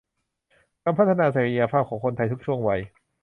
การพัฒนาศักยภาพของคนไทยทุกช่วงวัย